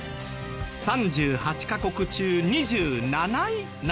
３８カ国中２７位なんです。